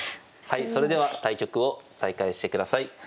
それでは対局を再開してください。